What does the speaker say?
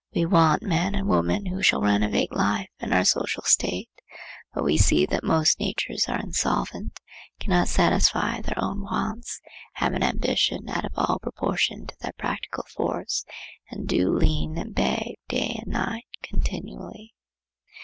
We want men and women who shall renovate life and our social state, but we see that most natures are insolvent, cannot satisfy their own wants, have an ambition out of all proportion to their practical force and do lean and beg day and night continually.